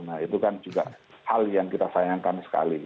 nah itu kan juga hal yang kita sayangkan sekali